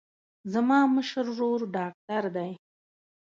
زما مشر ورور ډاکتر دی.